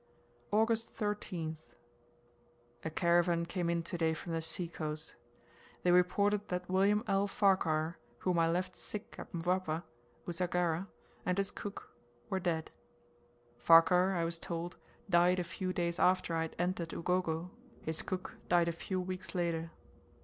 August 13th. A caravan came in to day from the seacoast. They reported that William L. Farquhar, whom I left sick at Mpwapwa, Usagara, and his cook, were dead. Farquhar, I was told, died a few days after I had entered Ugogo, his cook died a few weeks later.